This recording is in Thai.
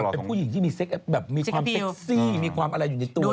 เป็นผู้หญิงที่มีความเซ็กซี่มีความอะไรอยู่ในตัวสิ